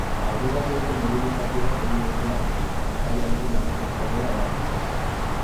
Aurreratu dute mobilizazio bat egingo dutela aurki, epaiarekin ados ez daudela erakusteko.